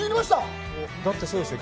だって、そうでしょう。